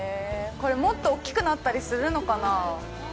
これもっと大きくなったりするのかな。